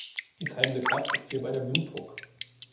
Die treibende Kraft ist hierbei der Blutdruck.